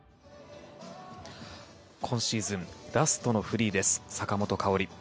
今シーズンラストのフリーです、坂本花織。